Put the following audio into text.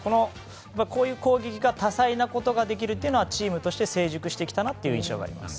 こういう攻撃で多彩なことができるっていうのはチームとして成熟してきたなという印象があります。